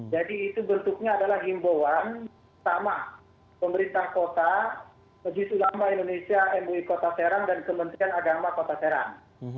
jadi itu bentuknya adalah himbauan sama pemerintah kota majelis ulama indonesia mui kota serang dan kementerian agama kota serang